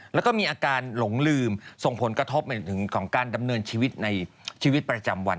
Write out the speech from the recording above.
แล้วก็มีอาการหลงลืมส่งผลกระทบของการดำเนินชีวิตในชีวิตประจำวัน